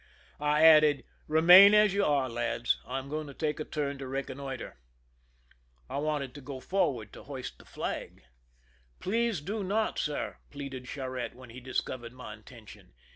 I added :" Eemain as you are, lads ; I am going to take a turn to reconnoiter." I wanted to go f orwai^d to hoist the flag. ^* Please do not, sir," pleaded Oharette, when he discovered my in tention.